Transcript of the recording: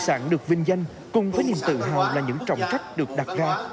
sản được vinh danh cùng với niềm tự hào là những trọng trách được đặt ra